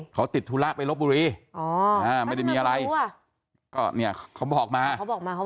เขาติดธุระไปลบบุรีอ๋ออ่าไม่ได้มีอะไรก็เนี่ยเขาบอกมาเขาบอกมาเขา